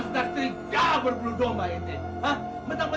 sudah tiga bulan berdua mbak